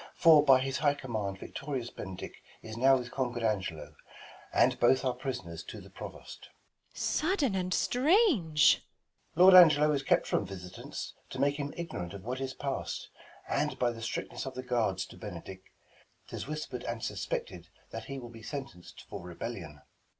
For by his high command victorious Benedick Is now with conquer'd Angelo, and both Are pris'ners to the Provost. Beat. Sudden and strange ! Balt. Lord Angelo is kept from visitants, To make him ignorant of what is past ; And, by the strictness of the guards to Benedick, 'Tis whisper'd and suspected that he will Be sentenc'd for rebellion.